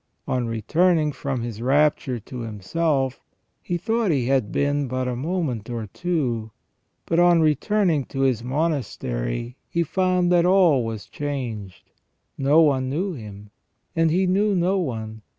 On returning from his rapture to himself, he thought he had been but a moment or two, but on 392 FROM THE BEGINNING TO THE END OF MAN. returning to his monastery, he found that all was changed. No one knew him, and he knew no one.